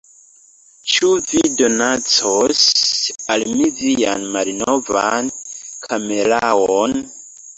Ĉu vi donacos al mi vian malnovan kameraon?